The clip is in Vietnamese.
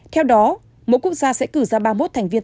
theo đó mỗi quốc gia sẽ cử ra ba mươi một thành viên